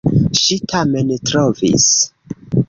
Ŝi tamen trovis!